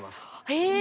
へぇ。